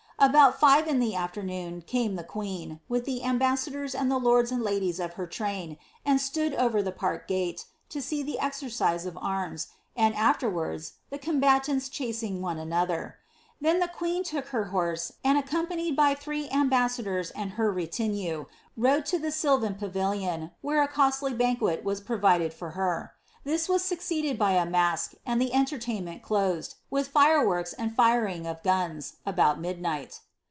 About five in the afternoon came the queen, with the ambassadors and the lords and ladies of her train, and stood over the park gate, to see the exercise of arms, and afterwards the conibatauls chasing one another. Tlien the queen took ber horse, and, accompanied by three ambassadors and her retinue, rode to the sylvan pavilion, where a costly banquet was provided for her I 18V >I.It&BBTa. Thii. n'39 siicceeileil by a mask, and the entertain men I cluseJ, with 6rr> woiku anil tiring of giini, about midnliilit.'